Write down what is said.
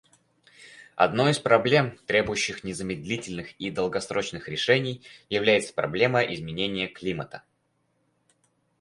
Одной из проблем, требующих незамедлительных и долгосрочных решений, является проблема изменения климата.